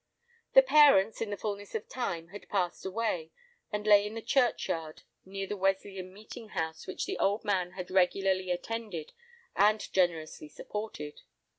The parents in the fulness of time had passed away, and lay in the churchyard, near the Wesleyan meeting house, which the old man had regularly attended and generously supported.